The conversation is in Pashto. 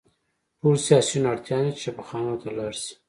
ټول سیاسیون اړتیا نلري چې شفاخانو ته لاړ شي